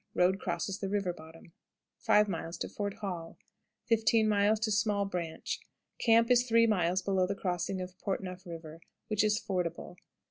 Road crosses the river bottom. 5. Fort Hall. 15. Small Branch. Camp is three miles below the crossing of Port Neuf River, which is fordable.